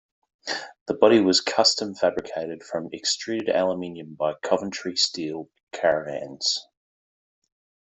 The body was custom fabricated from extruded aluminium by Coventry Steel Caravans.